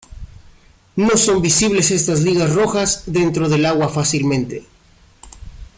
No son visibles estas ligas rojas, dentro del agua fácilmente.